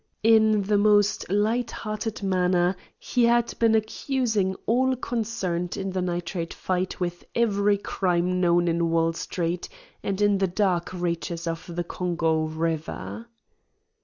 In the most light hearted manner he had been accusing all concerned in the nitrate fight with every crime known in Wall Street and in the dark reaches of the Congo River.